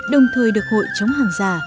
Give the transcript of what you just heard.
đồng thời được hội chống hàng giả